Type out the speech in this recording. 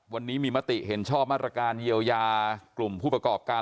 วันนี้มีมติเห็นชอบมาตรการเยียวยากลุ่มผู้ประกอบการ